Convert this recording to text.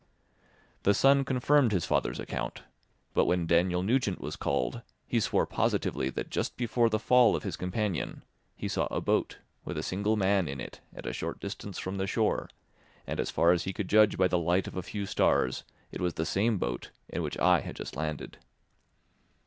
The son confirmed his father's account, but when Daniel Nugent was called he swore positively that just before the fall of his companion, he saw a boat, with a single man in it, at a short distance from the shore; and as far as he could judge by the light of a few stars, it was the same boat in which I had just landed.